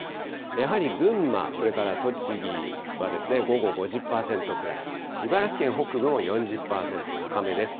やはり群馬、それから栃木は午後５０％ぐらい、茨城県北部も４０％、高めです。